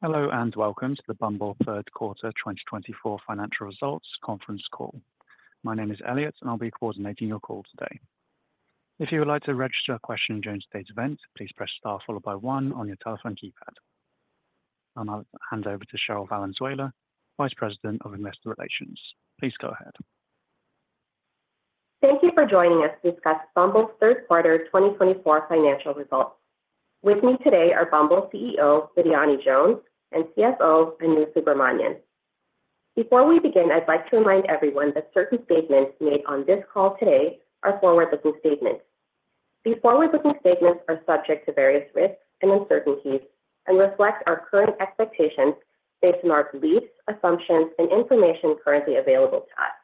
Hello and welcome to the Bumble Third Quarter 2024 Financial Results Conference call. My name is Elliot, and I'll be coordinating your call today. If you would like to register a question during today's event, please press star followed by one on your telephone keypad. I'll now hand over to Cherryl Valenzuela, Vice President of Investor Relations. Please go ahead. Thank you for joining us to discuss Bumble's Third Quarter 2024 financial results. With me today are Bumble CEO Lidiane Jones and CFO Anu Subramanian. Before we begin, I'd like to remind everyone that certain statements made on this call today are forward-looking statements. These forward-looking statements are subject to various risks and uncertainties and reflect our current expectations based on our beliefs, assumptions, and information currently available to us.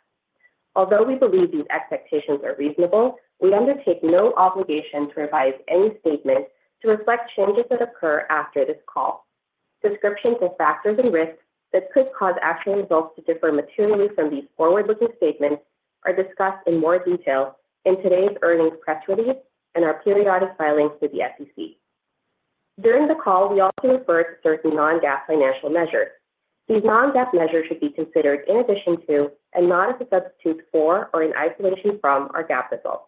Although we believe these expectations are reasonable, we undertake no obligation to revise any statement to reflect changes that occur after this call. Descriptions of factors and risks that could cause actual results to differ materially from these forward-looking statements are discussed in more detail in today's earnings press release and our periodic filings to the SEC. During the call, we also refer to certain non-GAAP financial measures. These non-GAAP measures should be considered in addition to and not as a substitute for or in isolation from our GAAP results.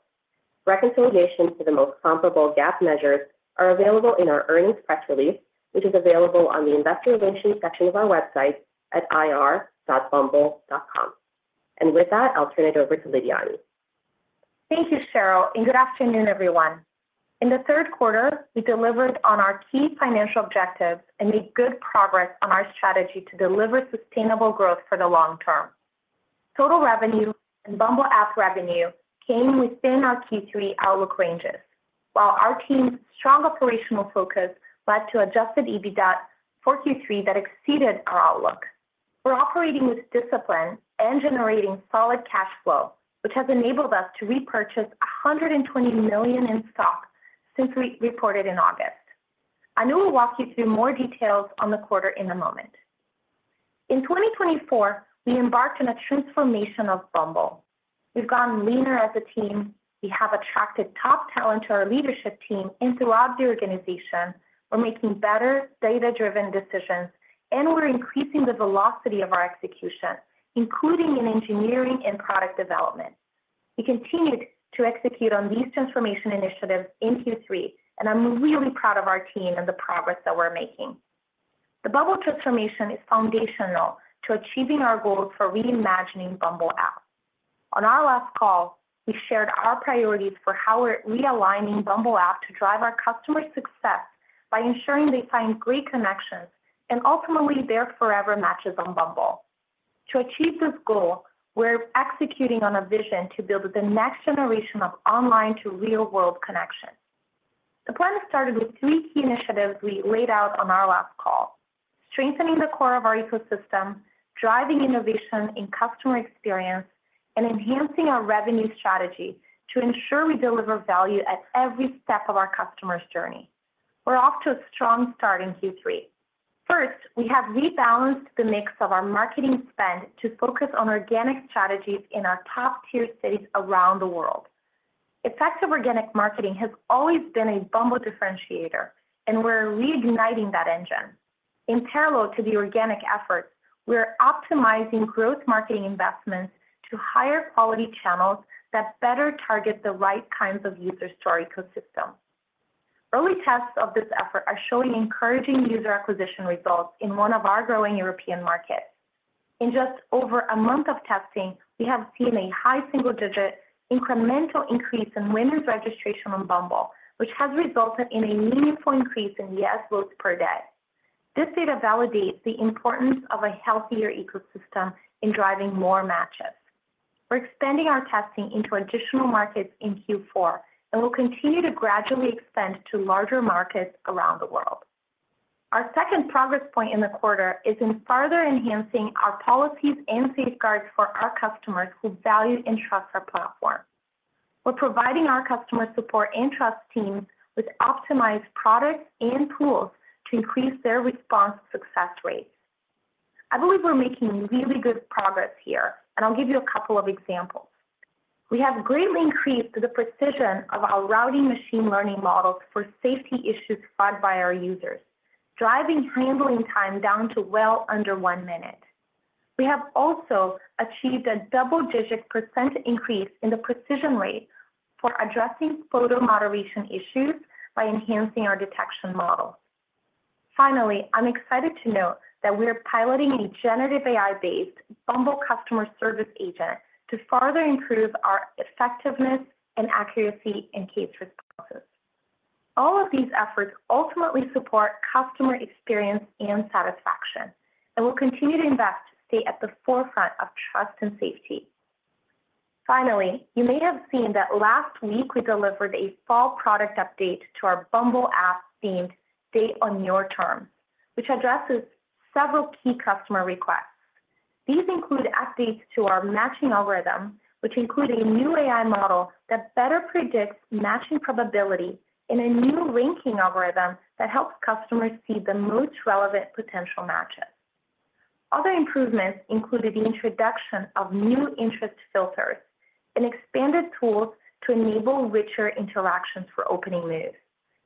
Reconciliations to the most comparable GAAP measures are available in our earnings press release, which is available on the Investor Relations section of our website at ir.bumble.com, and with that, I'll turn it over to Lidiane. Thank you, Cherryl, and good afternoon, everyone. In the third quarter, we delivered on our key financial objectives and made good progress on our strategy to deliver sustainable growth for the long term. Total revenue and Bumble app revenue came within our Q3 outlook ranges, while our team's strong operational focus led to adjusted EBITDA for Q3 that exceeded our outlook. We're operating with discipline and generating solid cash flow, which has enabled us to repurchase $120 million in stock since we reported in August. Anu will walk you through more details on the quarter in a moment. In 2024, we embarked on a transformation of Bumble. We've gone leaner as a team. We have attracted top talent to our leadership team, and throughout the organization, we're making better data-driven decisions, and we're increasing the velocity of our execution, including in engineering and product development. We continued to execute on these transformation initiatives in Q3, and I'm really proud of our team and the progress that we're making. The Bumble transformation is foundational to achieving our goal for reimagining Bumble app. On our last call, we shared our priorities for how we're realigning Bumble app to drive our customer success by ensuring they find great connections and ultimately their forever matches on Bumble. To achieve this goal, we're executing on a vision to build the next generation of online-to-real-world connections. The plan started with three key initiatives we laid out on our last call: strengthening the core of our ecosystem, driving innovation in customer experience, and enhancing our revenue strategy to ensure we deliver value at every step of our customer's journey. We're off to a strong start in Q3. First, we have rebalanced the mix of our marketing spend to focus on organic strategies in our top-tier cities around the world. Effective organic marketing has always been a Bumble differentiator, and we're reigniting that engine. In parallel to the organic efforts, we're optimizing growth marketing investments to higher quality channels that better target the right kinds of users to our ecosystem. Early tests of this effort are showing encouraging user acquisition results in one of our growing European markets. In just over a month of testing, we have seen a high single-digit incremental increase in women's registration on Bumble, which has resulted in a meaningful increase in yes votes per day. This data validates the importance of a healthier ecosystem in driving more matches. We're expanding our testing into additional markets in Q4, and we'll continue to gradually expand to larger markets around the world. Our second progress point in the quarter is in further enhancing our policies and safeguards for our customers who value and trust our platform. We're providing our customer support and trust teams with optimized products and tools to increase their response success rates. I believe we're making really good progress here, and I'll give you a couple of examples. We have greatly increased the precision of our routing machine learning models for safety issues flagged by our users, driving handling time down to well under one minute. We have also achieved a double-digit percent increase in the precision rate for addressing photo moderation issues by enhancing our detection model. Finally, I'm excited to note that we're piloting a generative AI-based Bumble customer service agent to further improve our effectiveness and accuracy in case responses. All of these efforts ultimately support customer experience and satisfaction, and we'll continue to invest to stay at the forefront of trust and safety. Finally, you may have seen that last week we delivered a fall product update to our Bumble app themed "Date on Your Terms," which addresses several key customer requests. These include updates to our matching algorithm, which includes a new AI model that better predicts matching probability and a new ranking algorithm that helps customers see the most relevant potential matches. Other improvements include the introduction of new interest filters and expanded tools to enable richer interactions for Opening Moves,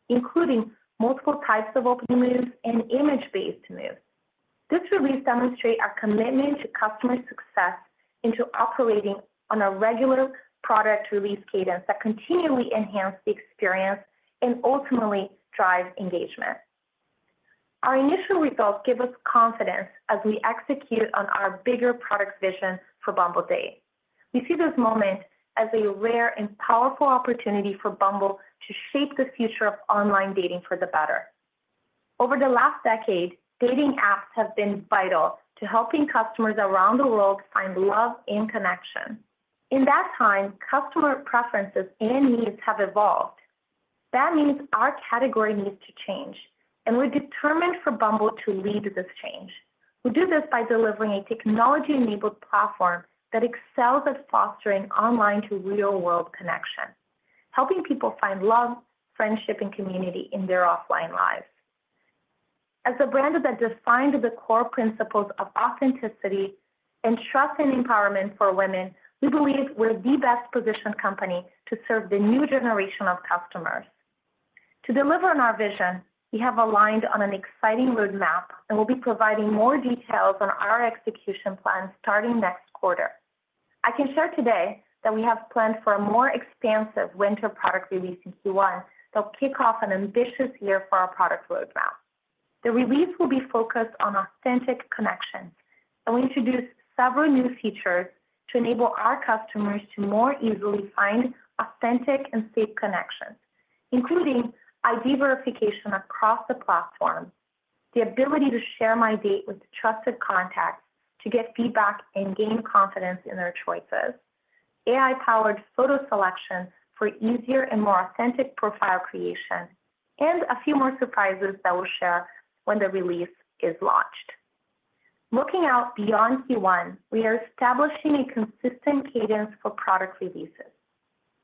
including multiple types of Opening Moves and image-based moves. This release demonstrates our commitment to customer success into operating on a regular product release cadence that continually enhances the experience and ultimately drives engagement. Our initial results give us confidence as we execute on our bigger product vision for Bumble Date. We see this moment as a rare and powerful opportunity for Bumble to shape the future of online dating for the better. Over the last decade, dating apps have been vital to helping customers around the world find love and connection. In that time, customer preferences and needs have evolved. That means our category needs to change, and we're determined for Bumble to lead this change. We do this by delivering a technology-enabled platform that excels at fostering online-to-real-world connection, helping people find love, friendship, and community in their offline lives. As a brand that defined the core principles of authenticity, trust, and empowerment for women, we believe we're the best-positioned company to serve the new generation of customers. To deliver on our vision, we have aligned on an exciting roadmap and will be providing more details on our execution plan starting next quarter. I can share today that we have planned for a more expansive winter product release in Q1 that will kick off an ambitious year for our product roadmap. The release will be focused on authentic connections, and we introduced several new features to enable our customers to more easily find authentic and safe connections, including ID Verification across the platform, the ability to Share My Date with trusted contacts to get feedback and gain confidence in their choices, AI-powered photo selection for easier and more authentic profile creation, and a few more surprises that we'll share when the release is launched. Looking out beyond Q1, we are establishing a consistent cadence for product releases.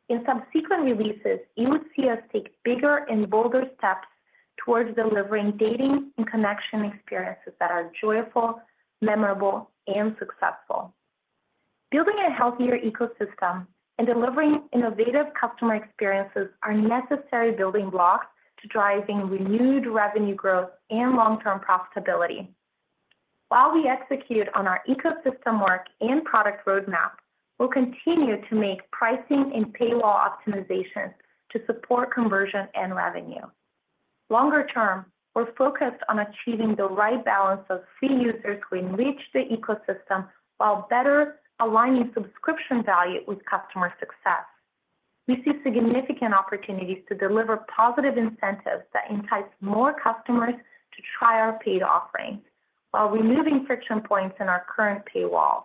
In subsequent releases, you would see us take bigger and bolder steps towards delivering dating and connection experiences that are joyful, memorable, and successful. Building a healthier ecosystem and delivering innovative customer experiences are necessary building blocks to driving renewed revenue growth and long-term profitability. While we execute on our ecosystem work and product roadmap, we'll continue to make pricing and paywall optimizations to support conversion and revenue. Longer term, we're focused on achieving the right balance of free users who enrich the ecosystem while better aligning subscription value with customer success. We see significant opportunities to deliver positive incentives that entice more customers to try our paid offerings while removing friction points in our current paywalls.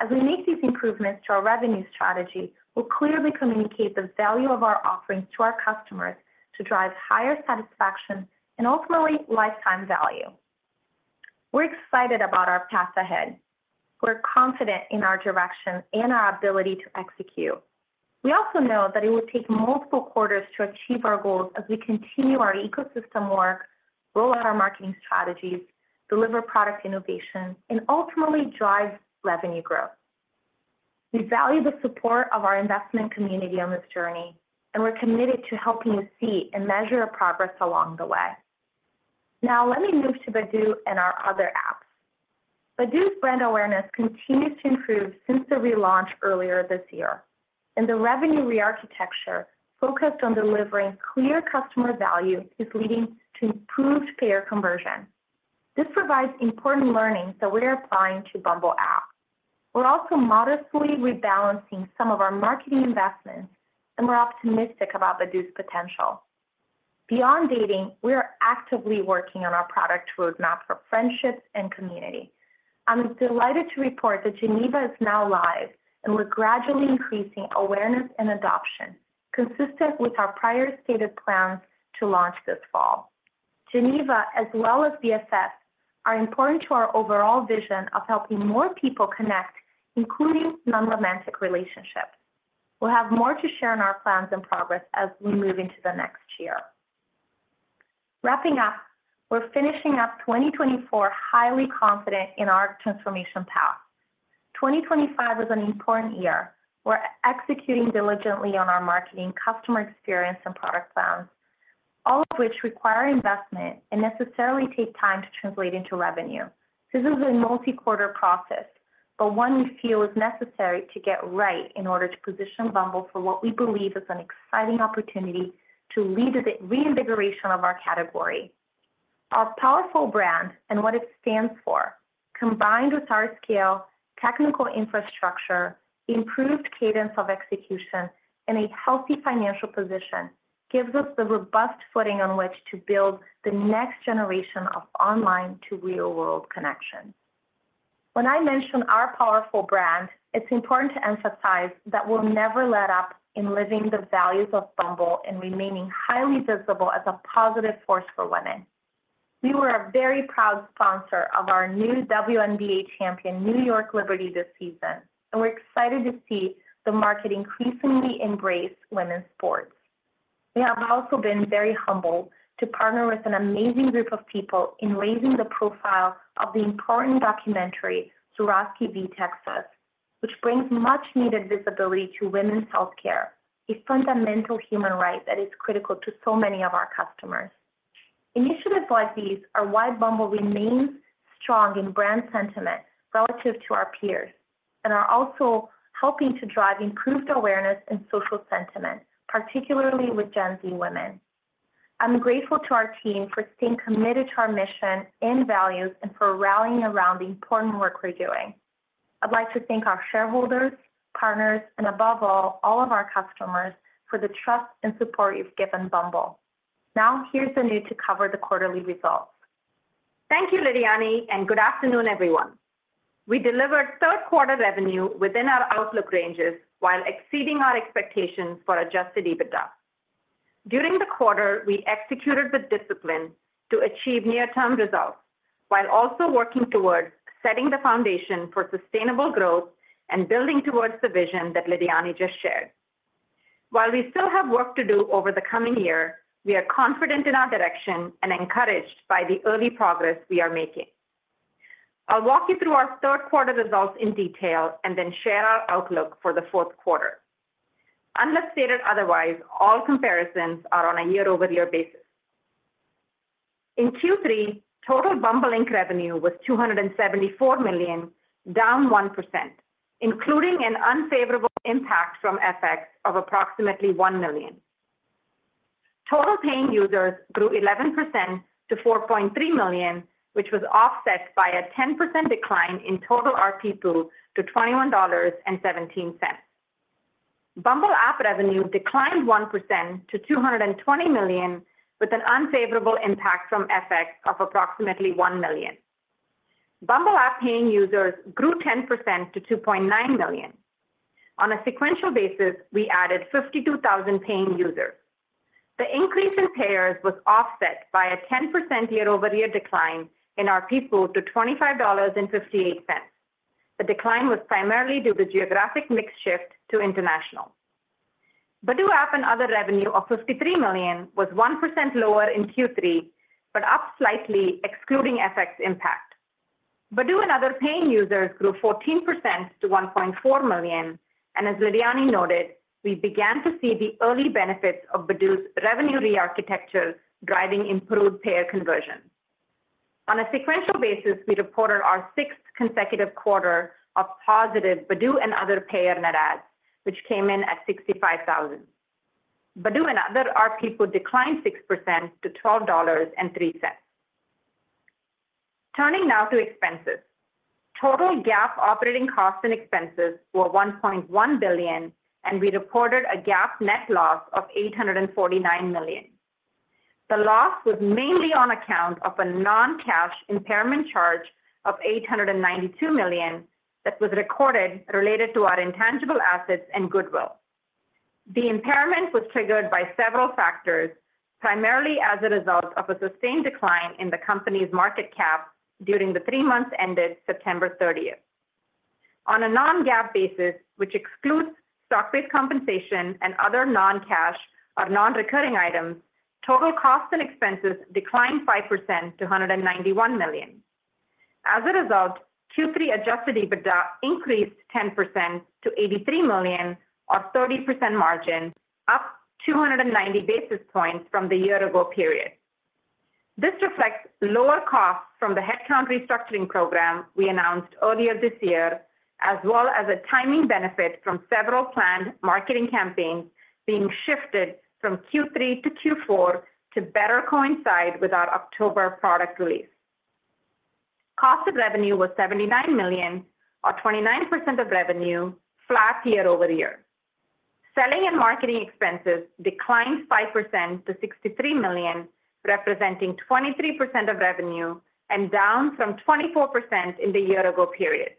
As we make these improvements to our revenue strategy, we'll clearly communicate the value of our offerings to our customers to drive higher satisfaction and ultimately lifetime value. We're excited about our path ahead. We're confident in our direction and our ability to execute. We also know that it will take multiple quarters to achieve our goals as we continue our ecosystem work, roll out our marketing strategies, deliver product innovation, and ultimately drive revenue growth. We value the support of our investment community on this journey, and we're committed to helping you see and measure progress along the way. Now, let me move to Badoo and our other apps. Badoo's brand awareness continues to improve since the relaunch earlier this year, and the revenue re-architecture focused on delivering clear customer value is leading to improved payer conversion. This provides important learnings that we're applying to Bumble app. We're also modestly rebalancing some of our marketing investments, and we're optimistic about Badoo's potential. Beyond dating, we are actively working on our product roadmap for friendships and community. I'm delighted to report that Geneva is now live, and we're gradually increasing awareness and adoption, consistent with our prior stated plans to launch this fall. Geneva, as well as BFF, are important to our overall vision of helping more people connect, including non-romantic relationships. We'll have more to share in our plans and progress as we move into the next year. Wrapping up, we're finishing up 2024 highly confident in our transformation path. 2025 is an important year. We're executing diligently on our marketing, customer experience, and product plans, all of which require investment and necessarily take time to translate into revenue. This is a multi-quarter process, but one we feel is necessary to get right in order to position Bumble for what we believe is an exciting opportunity to lead the reinvigoration of our category. Our powerful brand and what it stands for, combined with our scale, technical infrastructure, improved cadence of execution, and a healthy financial position, gives us the robust footing on which to build the next generation of online-to-real-world connections. When I mention our powerful brand, it's important to emphasize that we'll never let up in living the values of Bumble and remaining highly visible as a positive force for women. We were a very proud sponsor of our new WNBA champion, New York Liberty, this season, and we're excited to see the market increasingly embrace women's sports. We have also been very humbled to partner with an amazing group of people in raising the profile of the important documentary, Zurawski v. Texas, which brings much-needed visibility to women's healthcare, a fundamental human right that is critical to so many of our customers. Initiatives like these are why Bumble remains strong in brand sentiment relative to our peers and are also helping to drive improved awareness and social sentiment, particularly with Gen Z women. I'm grateful to our team for staying committed to our mission and values and for rallying around the important work we're doing. I'd like to thank our shareholders, partners, and above all, all of our customers for the trust and support you've given Bumble. Now, here's Anu to cover the quarterly results. Thank you, Lidiane, and good afternoon, everyone. We delivered third-quarter revenue within our outlook ranges while exceeding our expectations for adjusted EBITDA. During the quarter, we executed with discipline to achieve near-term results while also working towards setting the foundation for sustainable growth and building towards the vision that Lidiane just shared. While we still have work to do over the coming year, we are confident in our direction and encouraged by the early progress we are making. I'll walk you through our third-quarter results in detail and then share our outlook for the fourth quarter. Unless stated otherwise, all comparisons are on a year-over-year basis. In Q3, total Bumble Inc. revenue was $274 million, down 1%, including an unfavorable impact from FX of approximately $1 million. Total paying users grew 11% to 4.3 million, which was offset by a 10% decline in total ARPPU to $21.17. Bumble app revenue declined 1% to $220 million, with an unfavorable impact from FX of approximately $1 million. Bumble app paying users grew 10% to 2.9 million. On a sequential basis, we added 52,000 paying users. The increase in payers was offset by a 10% year-over-year decline in ARPPU to $25.58. The decline was primarily due to the geographic mix shift to international. Badoo app and other revenue of $53 million was 1% lower in Q3, but up slightly, excluding FX impact. Badoo and other paying users grew 14% to 1.4 million, and as Lidiane noted, we began to see the early benefits of Badoo's revenue re-architecture driving improved payer conversion. On a sequential basis, we reported our sixth consecutive quarter of positive Badoo and other payer net adds, which came in at 65,000. Badoo and other ARPPU declined 6% to $12.03. Turning now to expenses, total GAAP operating costs and expenses were $1.1 billion, and we reported a GAAP net loss of $849 million. The loss was mainly on account of a non-cash impairment charge of $892 million that was recorded related to our intangible assets and goodwill. The impairment was triggered by several factors, primarily as a result of a sustained decline in the company's market cap during the three months ended September 30th. On a non-GAAP basis, which excludes stock-based compensation and other non-cash or non-recurring items, total costs and expenses declined 5% to $191 million. As a result, Q3 adjusted EBITDA increased 10% to $83 million, or 30% margin, up 290 basis points from the year-ago period. This reflects lower costs from the headcount restructuring program we announced earlier this year, as well as a timing benefit from several planned marketing campaigns being shifted from Q3 to Q4 to better coincide with our October product release. Cost of revenue was $79 million, or 29% of revenue, flat year-over-year. Selling and marketing expenses declined 5% to $63 million, representing 23% of revenue and down from 24% in the year-ago period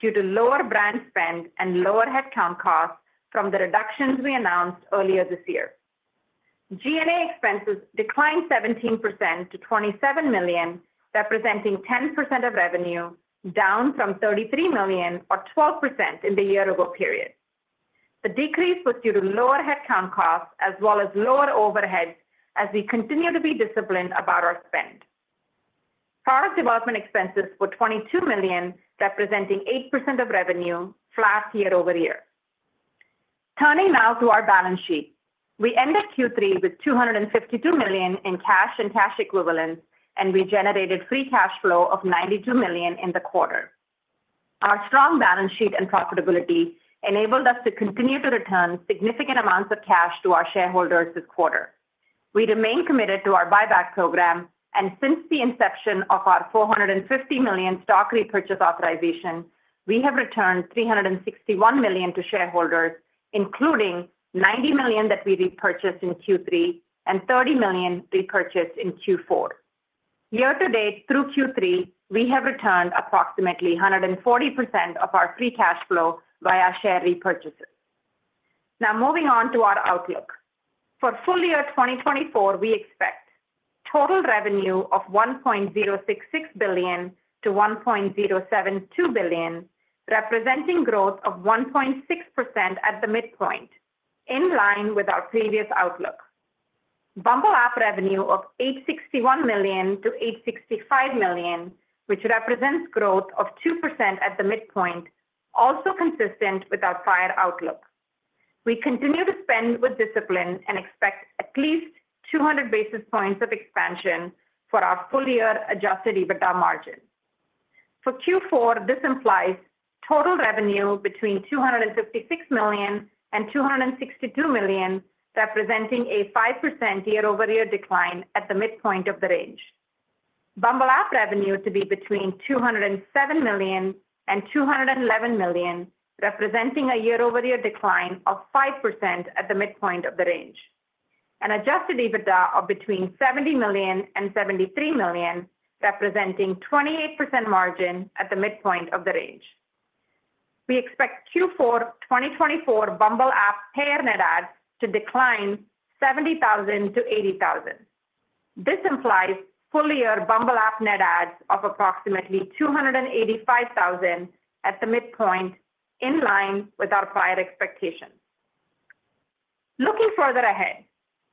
due to lower brand spend and lower headcount costs from the reductions we announced earlier this year. G&A expenses declined 17% to $27 million, representing 10% of revenue, down from $33 million, or 12% in the year-ago period. The decrease was due to lower headcount costs as well as lower overheads as we continue to be disciplined about our spend. Product development expenses were $22 million, representing 8% of revenue, flat year-over-year. Turning now to our balance sheet, we ended Q3 with $252 million in cash and cash equivalents, and we generated free cash flow of $92 million in the quarter. Our strong balance sheet and profitability enabled us to continue to return significant amounts of cash to our shareholders this quarter. We remain committed to our buyback program, and since the inception of our $450 million stock repurchase authorization, we have returned $361 million to shareholders, including $90 million that we repurchased in Q3 and $30 million repurchased in Q4. Year-to-date, through Q3, we have returned approximately 140% of our free cash flow via share repurchases. Now, moving on to our outlook. For full year 2024, we expect total revenue of $1.066 billion-$1.072 billion, representing growth of 1.6% at the midpoint, in line with our previous outlook. Bumble app revenue of $861 million-$865 million, which represents growth of 2% at the midpoint, also consistent with our prior outlook. We continue to spend with discipline and expect at least 200 basis points of expansion for our full year adjusted EBITDA margin. For Q4, this implies total revenue between $256 million and $262 million, representing a 5% year-over-year decline at the midpoint of the range. Bumble app revenue to be between $207 million and $211 million, representing a year-over-year decline of 5% at the midpoint of the range. An adjusted EBITDA of between $70 million and $73 million, representing 28% margin at the midpoint of the range. We expect Q4 2024 Bumble app payer net adds to decline 70,000 to 80,000. This implies full year Bumble app net adds of approximately 285,000 at the midpoint, in line with our prior expectations. Looking further ahead,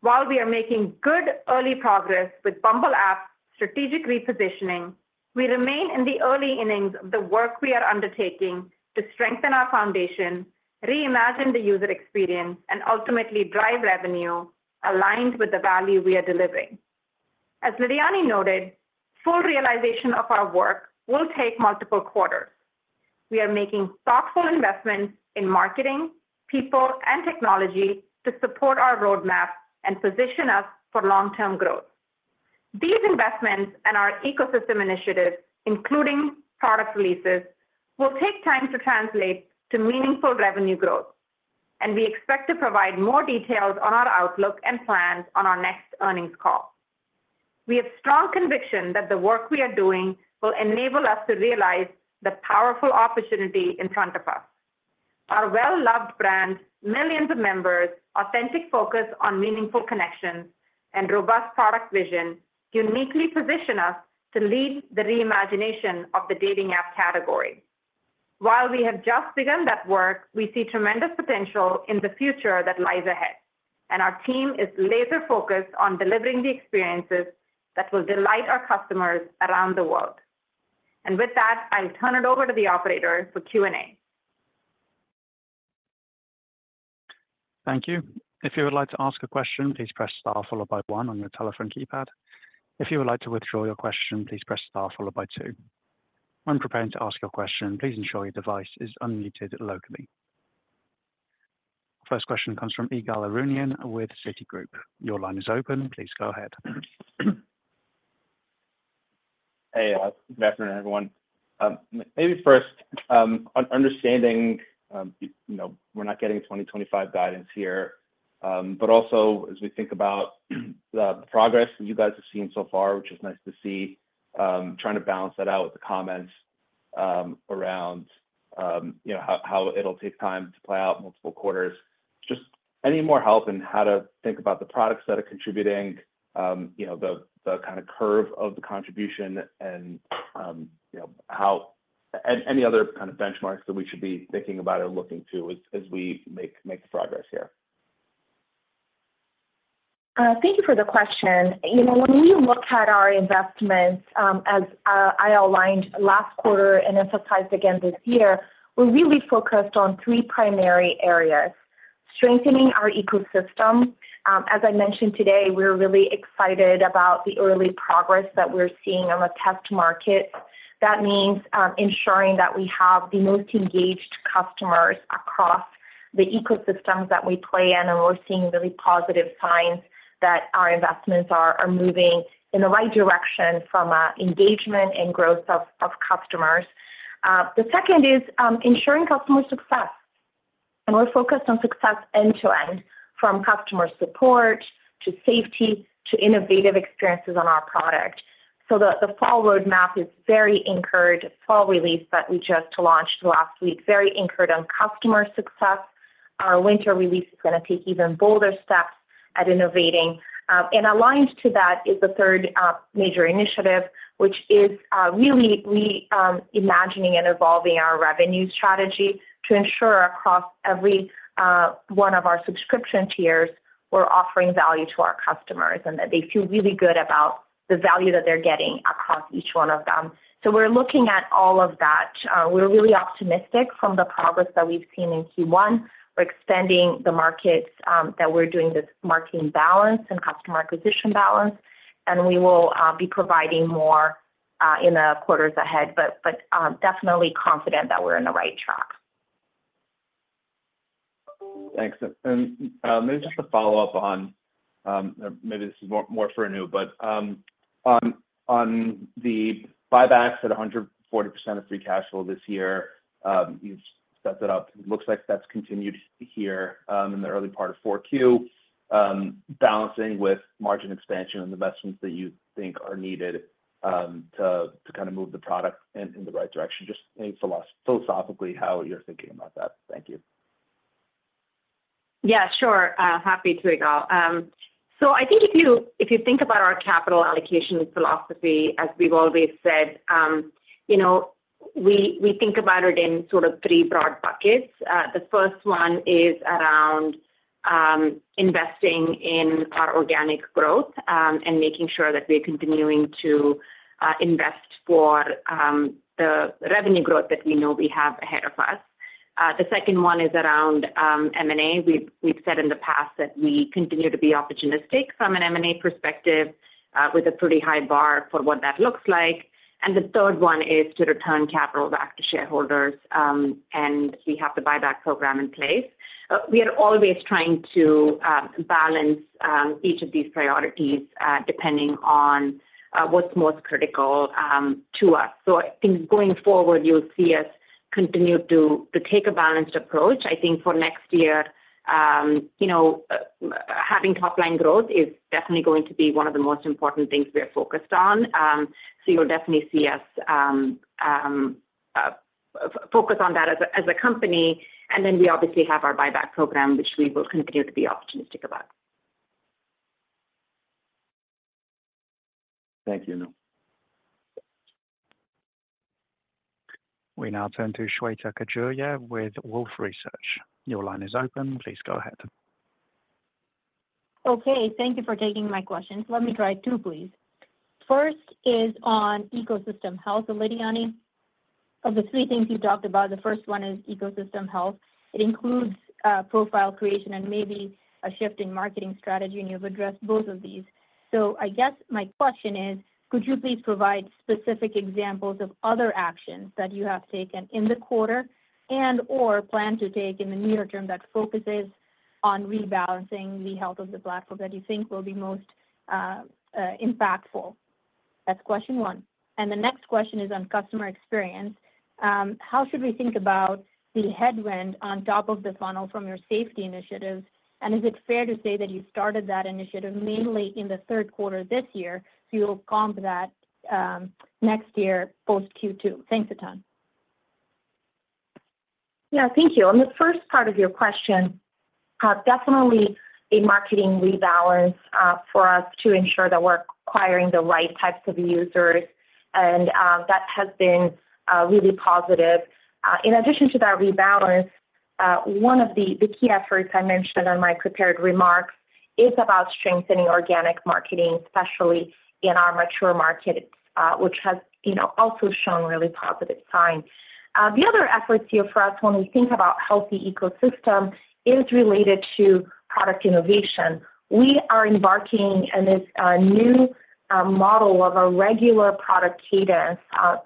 while we are making good early progress with Bumble app strategic repositioning, we remain in the early innings of the work we are undertaking to strengthen our foundation, reimagine the user experience, and ultimately drive revenue aligned with the value we are delivering. As Lidiane noted, full realization of our work will take multiple quarters. We are making thoughtful investments in marketing, people, and technology to support our roadmap and position us for long-term growth. These investments and our ecosystem initiatives, including product releases, will take time to translate to meaningful revenue growth, and we expect to provide more details on our outlook and plans on our next earnings call. We have strong conviction that the work we are doing will enable us to realize the powerful opportunity in front of us. Our well-loved brand, millions of members, authentic focus on meaningful connections, and robust product vision uniquely position us to lead the reimagination of the dating app category. While we have just begun that work, we see tremendous potential in the future that lies ahead, and our team is laser-focused on delivering the experiences that will delight our customers around the world. And with that, I'll turn it over to the operator for Q&A. Thank you. If you would like to ask a question, please press star followed by one on your telephone keypad. If you would like to withdraw your question, please press star followed by two. When preparing to ask your question, please ensure your device is unmuted locally. First question comes from Ygal Arounian with Citigroup. Your line is open. Please go ahead. Hey, good afternoon, everyone. Maybe first, understanding we're not getting 2025 guidance here, but also as we think about the progress that you guys have seen so far, which is nice to see, trying to balance that out with the comments around how it'll take time to play out multiple quarters. Just any more help in how to think about the products that are contributing, the kind of curve of the contribution, and any other kind of benchmarks that we should be thinking about or looking to as we make progress here? Thank you for the question. When we look at our investments, as I outlined last quarter and emphasized again this year, we're really focused on three primary areas: strengthening our ecosystem. As I mentioned today, we're really excited about the early progress that we're seeing on the test markets. That means ensuring that we have the most engaged customers across the ecosystems that we play in, and we're seeing really positive signs that our investments are moving in the right direction from engagement and growth of customers. The second is ensuring customer success. We're focused on success end-to-end, from customer support to safety to innovative experiences on our product. So the fall roadmap is very anchored. Fall release that we just launched last week is very anchored on customer success. Our winter release is going to take even bolder steps at innovating. And aligned to that is the third major initiative, which is really reimagining and evolving our revenue strategy to ensure across every one of our subscription tiers we're offering value to our customers and that they feel really good about the value that they're getting across each one of them. So we're looking at all of that. We're really optimistic from the progress that we've seen in Q1. We're expanding the markets that we're doing this marketing balance and customer acquisition balance, and we will be providing more in the quarters ahead, but definitely confident that we' re in the right track. Thanks. And maybe just a follow-up on, or maybe this is more for Anu, but on the buybacks at 140% of free cash flow this year, you've set that up. It looks like that's continued here in the early part of Q4, balancing with margin expansion and the investments that you think are needed to kind of move the product in the right direction. Just philosophically, how are you thinking about that? Thank you. Yeah, sure. Happy to, Ygal. So I think if you think about our capital allocation philosophy, as we've always said, we think about it in sort of three broad buckets. The first one is around investing in our organic growth and making sure that we're continuing to invest for the revenue growth that we know we have ahead of us. The second one is around M&A. We've said in the past that we continue to be opportunistic from an M&A perspective with a pretty high bar for what that looks like, and the third one is to return capital back to shareholders, and we have the buyback program in place. We are always trying to balance each of these priorities depending on what's most critical to us, so I think going forward, you'll see us continue to take a balanced approach. I think for next year, having top-line growth is definitely going to be one of the most important things we're focused on, so you'll definitely see us focus on that as a company. And then we obviously have our buyback program, which we will continue to be opportunistic about. Thank you, Anu. We now turn to Shweta Khajuria with Wolfe Research. Your line is open. Please go ahead. Okay. Thank you for taking my questions. Let me try two, please. First is on ecosystem health, Lidiane. Of the three things you talked about, the first one is ecosystem health. It includes profile creation and maybe a shift in marketing strategy, and you've addressed both of these. So I guess my question is, could you please provide specific examples of other actions that you have taken in the quarter and/or plan to take in the near term that focuses on rebalancing the health of the platform that you think will be most impactful? That's question one. And the next question is on customer experience. How should we think about the headwind on top of the funnel from your safety initiatives? And is it fair to say that you started that initiative mainly in the third quarter this year? So you'll comp that next year post Q2. Thanks a ton. Yeah, thank you. On the first part of your question, definitely a marketing rebalance for us to ensure that we're acquiring the right types of users, and that has been really positive. In addition to that rebalance, one of the key efforts I mentioned in my prepared remarks is about strengthening organic marketing, especially in our mature market, which has also shown really positive signs. The other efforts here for us, when we think about healthy ecosystem, is related to product innovation. We are embarking on this new model of a regular product cadence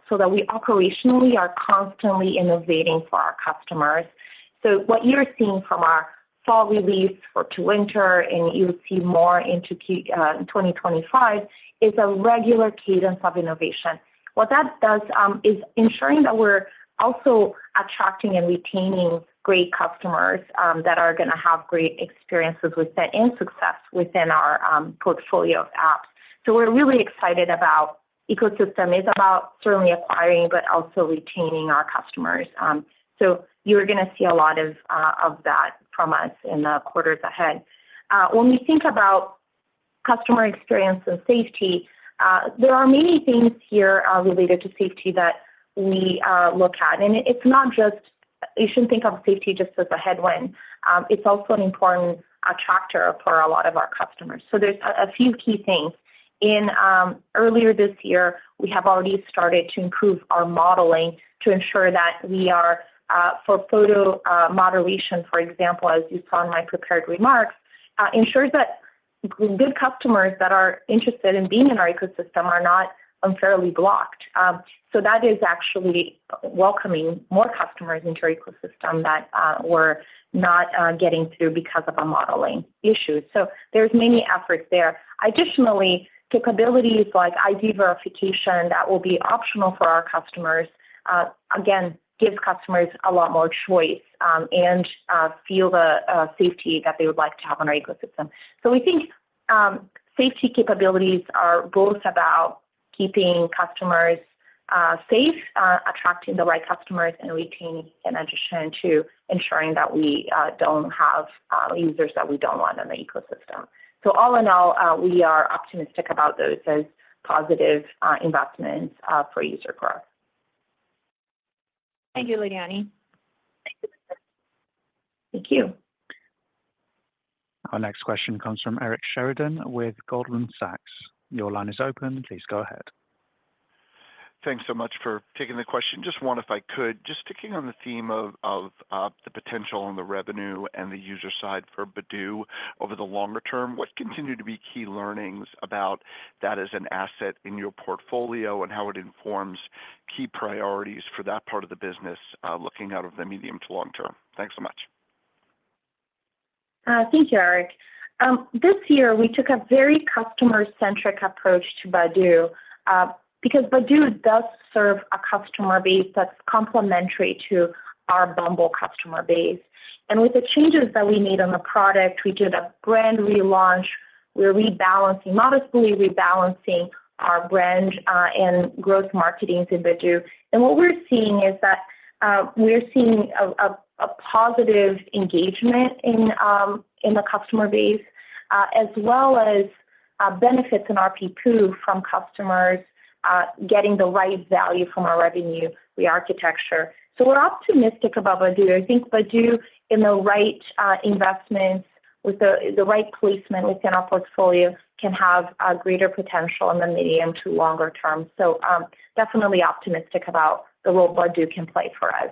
so that we operationally are constantly innovating for our customers. So what you're seeing from our fall release for Q2, and you'll see more into Q2 2025, is a regular cadence of innovation. What that does is ensuring that we're also attracting and retaining great customers that are going to have great experiences with that and success within our portfolio of apps. So we're really excited about ecosystem. It's about certainly acquiring, but also retaining our customers. So you're going to see a lot of that from us in the quarters ahead. When we think about customer experience and safety, there are many things here related to safety that we look at. And it's not just you shouldn't think of safety just as a headwind. It's also an important attractor for a lot of our customers. So there's a few key things. Earlier this year, we have already started to improve our modeling to ensure that we are, for photo moderation, for example, as you saw in my prepared remarks, ensures that good customers that are interested in being in our ecosystem are not unfairly blocked, so that is actually welcoming more customers into our ecosystem that we're not getting through because of our modeling issues, so there's many efforts there. Additionally, capabilities like ID Verification that will be optional for our customers, again, gives customers a lot more choice and feel the safety that they would like to have on our ecosystem, so we think safety capabilities are both about keeping customers safe, attracting the right customers, and retaining in addition to ensuring that we don't have users that we don't want in the ecosystem, so all in all, we are optimistic about those as positive investments for user growth. Thank you, Lidiane. Thank you. Thank you. Our next question comes from Eric Sheridan with Goldman Sachs. Your line is open. Please go ahead. Thanks so much for taking the question. Just wondered if I could, just sticking on the theme of the potential on the revenue and the user side for Badoo over the longer term, what continue to be key learnings about that as an asset in your portfolio and how it informs key priorities for that part of the business looking out of the medium to long term? Thanks so much. Thank you, Eric. This year, we took a very customer-centric approach to Badoo because Badoo does serve a customer base that's complementary to our Bumble customer base. And with the changes that we made on the product, we did a brand relaunch. We're rebalancing modestly, rebalancing our brand and growth marketings in Badoo. And what we're seeing is that we're seeing a positive engagement in the customer base as well as benefits in our ARPPU from customers getting the right value from our revenue re-architecture. So we're optimistic about Badoo. I think Badoo, in the right investments, with the right placement within our portfolio, can have greater potential in the medium to longer term. So definitely optimistic about the role Badoo can play for us.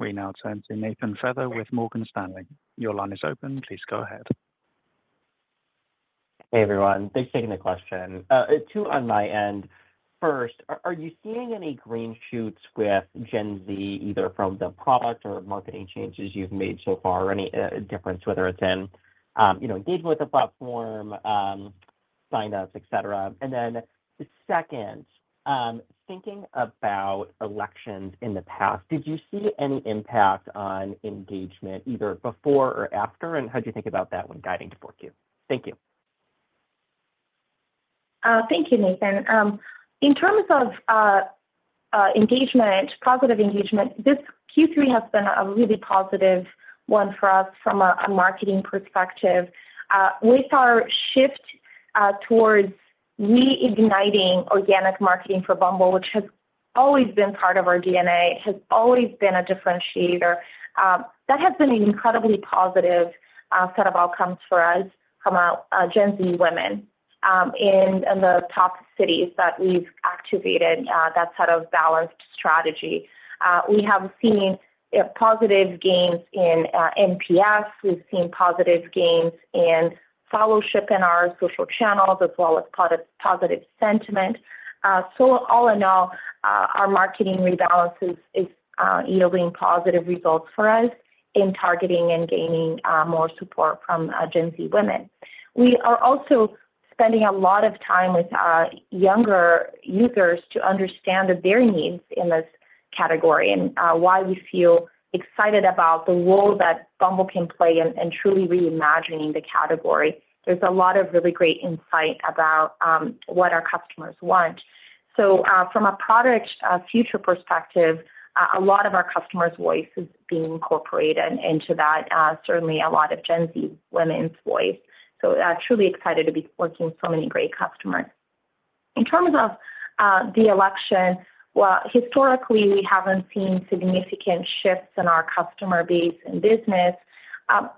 We now turn to Nathan Feather with Morgan Stanley. Your line is open. Please go ahead. Hey, everyone. Thanks for taking the question. Two on my end. First, are you seeing any green shoots with Gen Z, either from the product or marketing changes you've made so far, or any difference, whether it's in engagement with the platform, sign-ups, etc.? And then second, thinking about elections in the past, did you see any impact on engagement either before or after? And how do you think about that when guiding to Q2? Thank you. Thank you, Nathan. In terms of engagement, positive engagement, this Q3 has been a really positive one for us from a marketing perspective. With our shift towards reigniting organic marketing for Bumble, which has always been part of our DNA, has always been a differentiator, that has been an incredibly positive set of outcomes for us from Gen Z women in the top cities that we've activated that set of balanced strategy. We have seen positive gains in NPS. We've seen positive gains in follow-up in our social channels as well as positive sentiment. So all in all, our marketing rebalance is yielding positive results for us in targeting and gaining more support from Gen Z women. We are also spending a lot of time with our younger users to understand their needs in this category and why we feel excited about the role that Bumble can play in truly reimagining the category. There's a lot of really great insight about what our customers want. So from a product future perspective, a lot of our customers' voice is being incorporated into that, certainly a lot of Gen Z women's voice. So truly excited to be working with so many great customers. In terms of the election, well, historically, we haven't seen significant shifts in our customer base and business.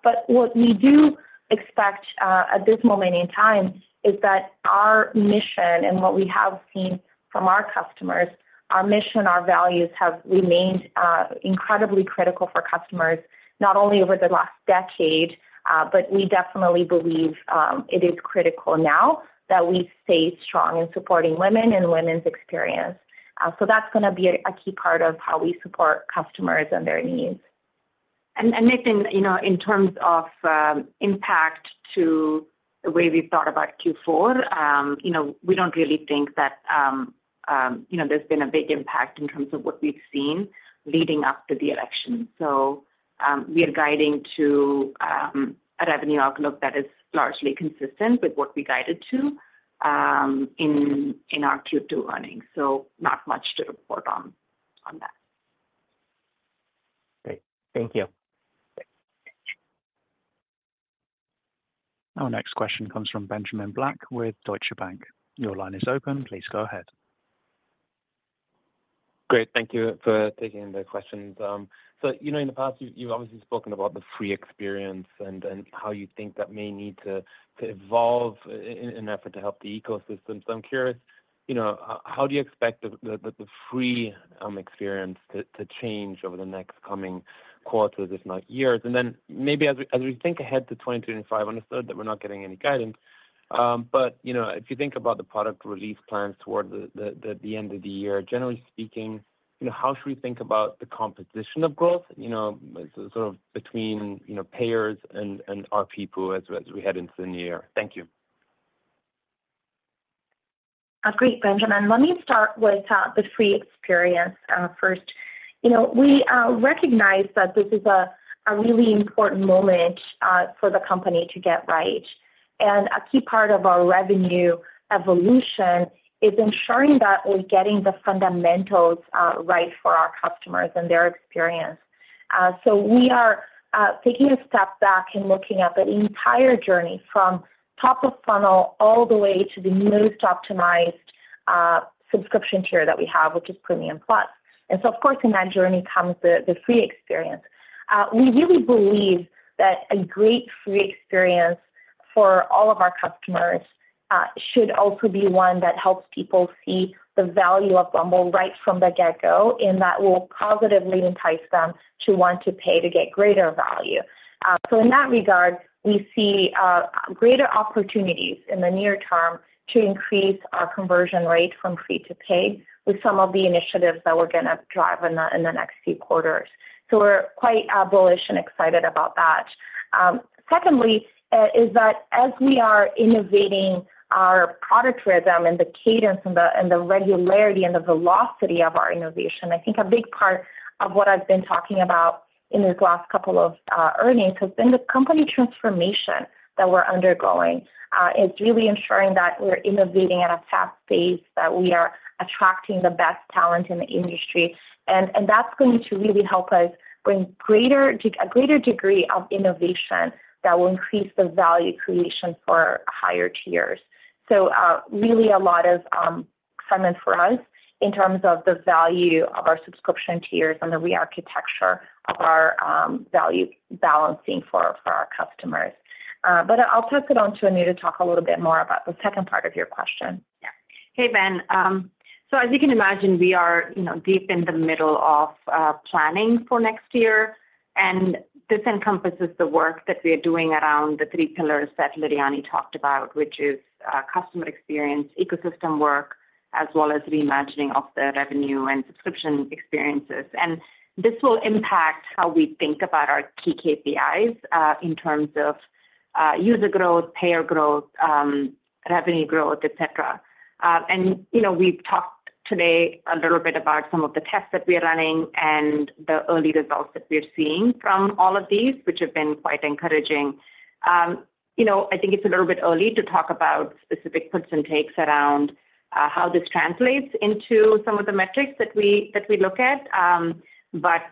But what we do expect at this moment in time is that our mission and what we have seen from our customers, our mission, our values have remained incredibly critical for customers not only over the last decade, but we definitely believe it is critical now that we stay strong in supporting women and women's experience. So that's going to be a key part of how we support customers and their needs. And Nathan, in terms of impact to the way we've thought about Q4, we don't really think that there's been a big impact in terms of what we've seen leading up to the election. So we are guiding to a revenue outlook that is largely consistent with what we guided to in our Q2 earnings. So not much to report on that. Great. Thank you. Our next question comes from Benjamin Black with Deutsche Bank. Your line is open. Please go ahead. Great. Thank you for taking the questions. So in the past, you've obviously spoken about the free experience and how you think that may need to evolve in an effort to help the ecosystem. So I'm curious, how do you expect the free experience to change over the next coming quarters, if not years? And then maybe as we think ahead to 2025, understood that we're not getting any guidance. But if you think about the product release plans towards the end of the year, generally speaking, how should we think about the composition of growth sort of between payers and non-payers as we head into the new year? Thank you. Great, Benjamin. Let me start with the free experience first. We recognize that this is a really important moment for the company to get right. A key part of our revenue evolution is ensuring that we're getting the fundamentals right for our customers and their experience. So we are taking a step back and looking at the entire journey from top of funnel all the way to the most optimized subscription tier that we have, which is Premium+. Of course, in that journey comes the free experience. We really believe that a great free experience for all of our customers should also be one that helps people see the value of Bumble right from the get-go and that will positively entice them to want to pay to get greater value. In that regard, we see greater opportunities in the near term to increase our conversion rate from free to pay with some of the initiatives that we're going to drive in the next few quarters. So we're quite bullish and excited about that. Secondly, is that as we are innovating our product rhythm and the cadence and the regularity and the velocity of our innovation, I think a big part of what I've been talking about in these last couple of earnings has been the company transformation that we're undergoing. It's really ensuring that we're innovating at a fast pace, that we are attracting the best talent in the industry. And that's going to really help us bring a greater degree of innovation that will increase the value creation for higher tiers. So really a lot of excitement for us in terms of the value of our subscription tiers and the rearchitecture of our value balancing for our customers. But I'll pass it on to Anu to talk a little bit more about the second part of your question. Yeah. Hey, Ben. So as you can imagine, we are deep in the middle of planning for next year. And this encompasses the work that we are doing around the three pillars that Lidiane talked about, which is customer experience, ecosystem work, as well as reimagining of the revenue and subscription experiences. And this will impact how we think about our key KPIs in terms of user growth, payer growth, revenue growth, etc. And we've talked today a little bit about some of the tests that we are running and the early results that we are seeing from all of these, which have been quite encouraging. I think it's a little bit early to talk about specific percent takes around how this translates into some of the metrics that we look at. But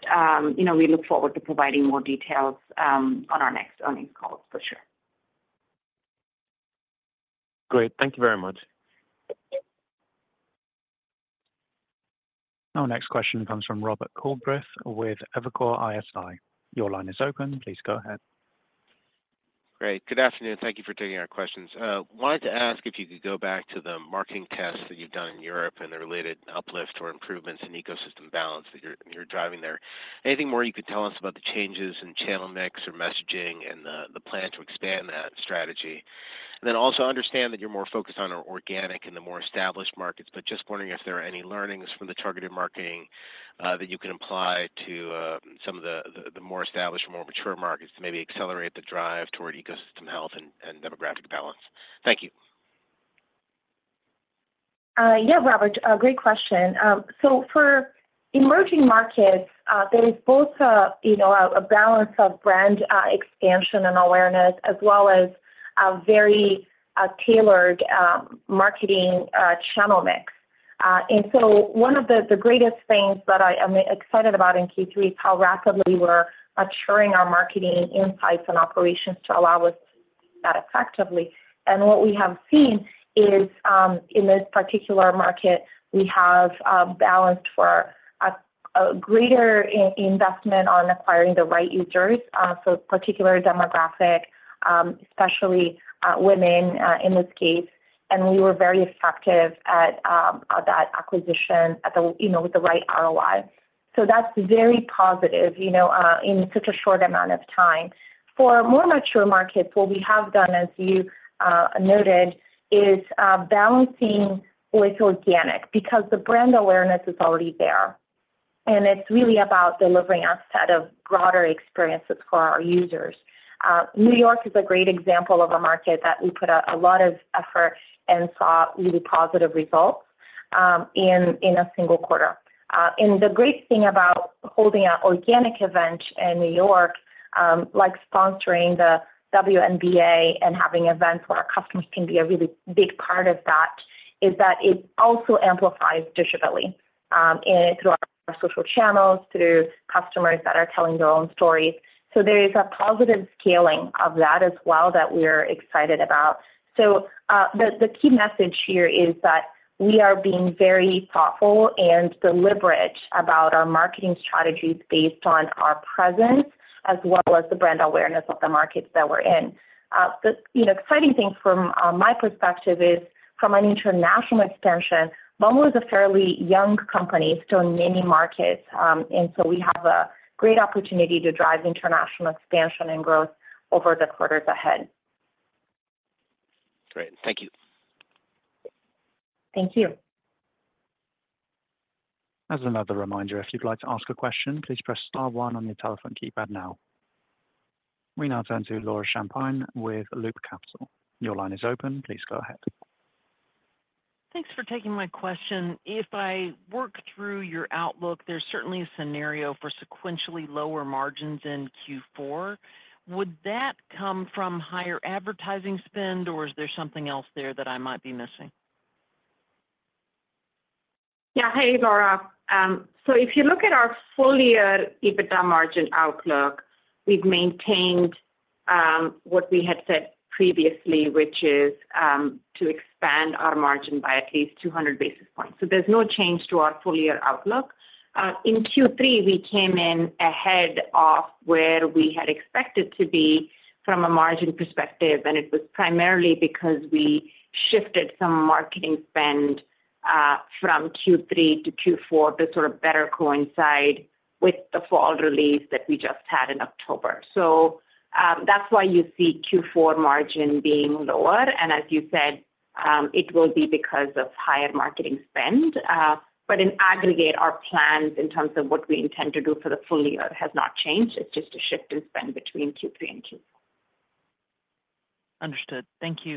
we look forward to providing more details on our next earnings call, for sure. Great. Thank you very much. Our next question comes from Robert Coolbrith with Evercore ISI. Your line is open. Please go ahead. Great. Good afternoon. Thank you for taking our questions. Wanted to ask if you could go back to the marketing tests that you've done in Europe and the related uplift or improvements in ecosystem balance that you're driving there. Anything more you could tell us about the changes in channel mix or messaging and the plan to expand that strategy? And then also understand that you're more focused on organic and the more established markets, but just wondering if there are any learnings from the targeted marketing that you can apply to some of the more established, more mature markets to maybe accelerate the drive toward ecosystem health and demographic balance. Thank you. Yeah, Robert, great question. So for emerging markets, there is both a balance of brand expansion and awareness as well as a very tailored marketing channel mix. And so one of the greatest things that I'm excited about in Q3 is how rapidly we're maturing our marketing insights and operations to allow us that effectively. And what we have seen is in this particular market, we have balanced for a greater investment on acquiring the right users, so particular demographic, especially women in this case. And we were very effective at that acquisition with the right ROI. So that's very positive in such a short amount of time. For more mature markets, what we have done, as you noted, is balancing with organic because the brand awareness is already there. And it's really about delivering a set of broader experiences for our users. New York is a great example of a market that we put a lot of effort and saw really positive results in a single quarter. And the great thing about holding an organic event in New York, like sponsoring the WNBA and having events where our customers can be a really big part of that, is that it also amplifies digitally through our social channels, through customers that are telling their own stories. So there is a positive scaling of that as well that we're excited about. So the key message here is that we are being very thoughtful and deliberate about our marketing strategies based on our presence as well as the brand awareness of the markets that we're in. The exciting thing from my perspective is from an international expansion, Bumble is a fairly young company still in many markets. And so we have a great opportunity to drive international expansion and growth over the quarters ahead. Great. Thank you. Thank you. As another reminder, if you'd like to ask a question, please press star one on your telephone keypad now. We now turn to Laura Champine with Loop Capital. Your line is open. Please go ahead. Thanks for taking my question. If I work through your outlook, there's certainly a scenario for sequentially lower margins in Q4. Would that come from higher advertising spend, or is there something else there that I might be missing? Yeah. Hey, Laura. So if you look at our full-year EBITDA margin outlook, we've maintained what we had said previously, which is to expand our margin by at least 200 basis points. So there's no change to our full-year outlook. In Q3, we came in ahead of where we had expected to be from a margin perspective, and it was primarily because we shifted some marketing spend from Q3 to Q4 to sort of better coincide with the fall release that we just had in October. So that's why you see Q4 margin being lower. And as you said, it will be because of higher marketing spend. But in aggregate, our plans in terms of what we intend to do for the full year has not changed. It's just a shift in spend between Q3 and Q4. Understood. Thank you.